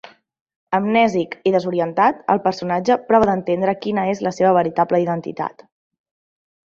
Amnèsic i desorientat, el personatge prova d'entendre quina és la seva veritable identitat.